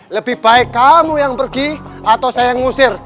lebih baik kamu yang pergi atau saya yang ngusir